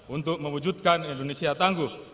untuk mewujudkan indonesia tangguh